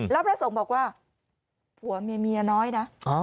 แล้วพระสงฆ์บอกว่าผัวเมียเมียน้อยนะ